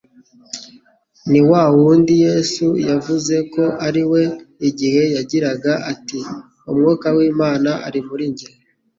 ni wa wundi Yesu yavuze ko ari uwe igihe yagiraga ati : Umwuka w'Imana ari muri njye,